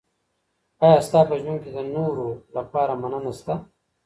ایا ستا په ژوند کي د نورو لپاره مننه سته؟